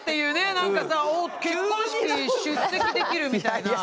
なんかさおっ結婚式出席できるみたいな。